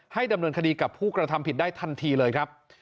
ดำเนินคดีกับผู้กระทำผิดได้ทันทีเลยครับ